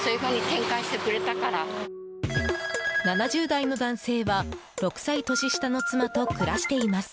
７０代の男性は６歳年下の妻と暮らしています。